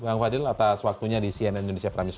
bang fadil atas waktunya di cnn indonesia prime news